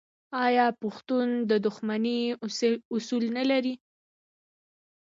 آیا پښتون د دښمنۍ اصول نلري؟